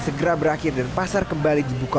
segera berakhir dan pasar kembali dibuka